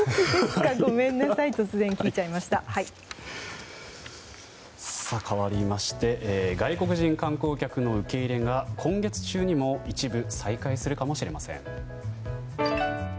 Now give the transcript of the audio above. かわりまして外国人観光客の受け入れが今月中にも一部再開するかもしれません。